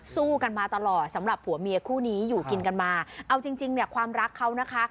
สู้กันมาตลอดสำหรับผัวเมียคู่นี้อยู่กินกันมาเอาจริงจริงเนี่ยความรักเขานะคะ